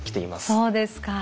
そうですか。